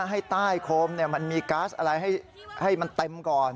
ให้ใต้โคมมันมีก๊าซอะไรให้มันเต็มก่อน